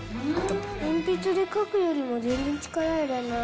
鉛筆で書くよりも全然力いらない。